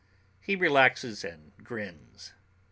He relaxes and grins.